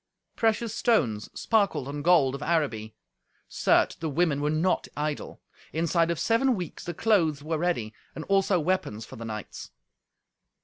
Precious stones sparkled on gold of Araby. Certes, the women were not idle. Inside of seven weeks the clothes were ready, and also weapons for the knights.